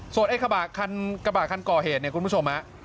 ส่วนกระบะคันก่อเหตุเนี่ยคุณผู้ชมนะ